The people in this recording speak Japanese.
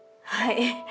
はい。